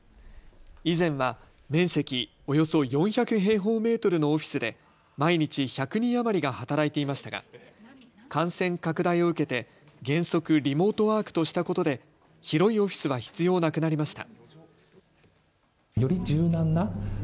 以前は面積およそ４００平方メートルのオフィスで毎日１００人余りが働いていましたが感染拡大を受けて原則、リモートワークとしたことで広いオフィスは必要なくなりました。